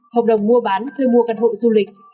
hợp đồng mua bán thuê mua căn hộ du lịch